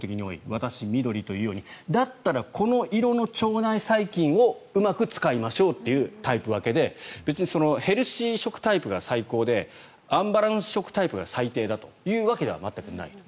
私、緑というようにだったら、この色の腸内細菌をうまく使いましょうというタイプ分けで別にヘルシー食タイプが最高でアンバランス食タイプが最低だというわけでは全くないと。